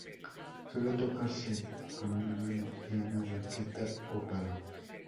Suele tocarse con una mano y una baqueta o palo.